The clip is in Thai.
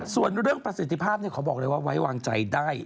ส่วนเรื่องประสิทธิภาพขอบอกเลยว่าไว้วางใจได้